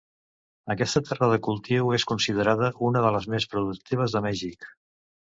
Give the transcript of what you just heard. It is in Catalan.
Aquesta terra de cultiu és considerada una de les més productives de Mèxic.